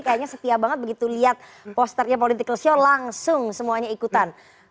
kayaknya setia banget begitu lihat posternya political show langsung semuanya ikutan